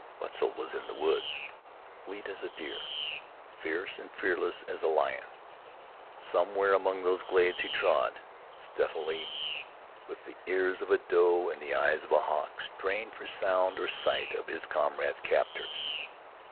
Wetzel was in the woods, fleet as a deer, fierce and fearless as a lion. Somewhere among those glades he trod, stealthily, with the ears of a doe and eyes of a hawk strained for sound or sight of his comrade's captors.